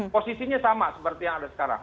posisinya sama seperti yang ada sekarang